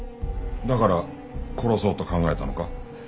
だから殺そうと考えたのか？